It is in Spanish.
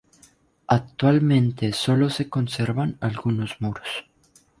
Actualmente sólo se conservan algunos muros.